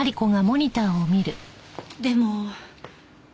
でも。